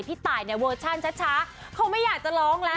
ตายเนี่ยเวอร์ชันช้าเขาไม่อยากจะร้องแล้ว